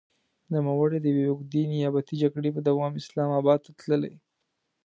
نوموړی د يوې اوږدې نيابتي جګړې په دوام اسلام اباد ته تللی.